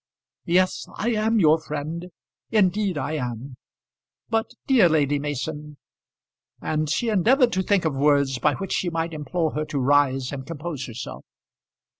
"Yes, I am your friend indeed I am. But, dear Lady Mason " And she endeavoured to think of words by which she might implore her to rise and compose herself.